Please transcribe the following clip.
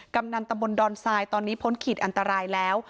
กำนันตำบลดอนทรายตอนนี้พ้นขีดอันตรายแล้ว